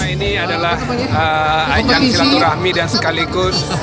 ini adalah ajang silaturahmi dan sekaligus